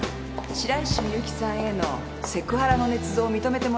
白石美由紀さんへのセクハラの捏造を認めてもらいに来ました。